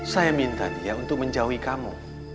saya minta dia untuk menjauhi kamu